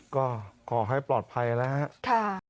ก็ขอให้ปลอดภัยนะครับค่ะ